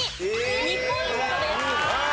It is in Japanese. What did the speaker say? ２ポイントです。